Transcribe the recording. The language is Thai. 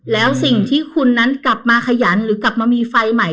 แล้วสิ่งที่คุณนั้นกลับมาขยันหรือกลับมามีไฟใหม่